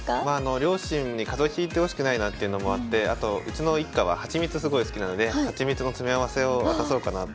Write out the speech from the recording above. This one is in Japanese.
両親に風邪をひいてほしくないなっていうのもあってあとうちの一家はハチミツすごい好きなのでハチミツの詰め合わせを渡そうかなと。